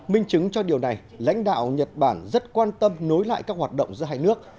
minh chứng cho điều này lãnh đạo nhật bản rất quan tâm nối lại các hoạt động giữa hai nước